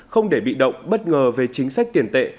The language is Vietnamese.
không để bị động bất ngờ về chính sách tiền tệ